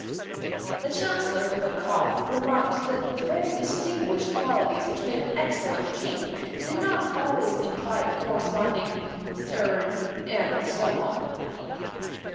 The Chancellor with a cough remarked that the very distinguished qualities which made an excellent King did not always imply the corresponding er and so on.